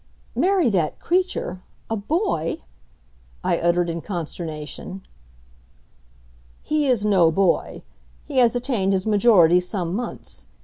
"Marry that creature! A boy!" I uttered in consternation. "He is no boy. He has attained his majority some months.